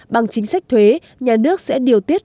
bằng chính sách thuế nhà nước sẽ điều tiết